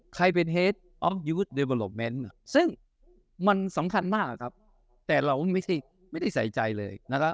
ใครเป็นอะซึ่งมันสำคัญมากครับแต่เราไม่ได้ไม่ได้ใส่ใจเลยนะคะ